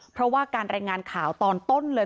เพราะว่าการรายงานข่าวตอนต้นเลย